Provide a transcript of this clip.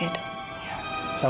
terima kasih banyak